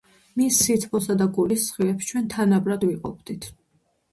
მის სითბოსა და გულის სხივებს ჩვენ თანაბრად ვიყოფდით.